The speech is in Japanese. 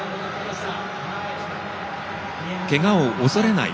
けがを恐れない。